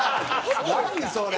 それ！